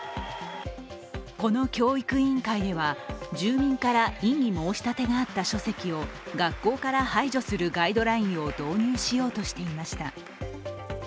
この教育委員会では、住民から異議申し立てがあった書籍を学校から排除するガイドラインを導入しようとしていました。